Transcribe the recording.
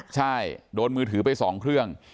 ใช่โดนมือถือไป๒เครื่อง